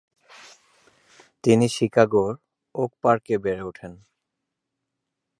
তিনি শিকাগোর ওক পার্কে বেড়ে ওঠেন।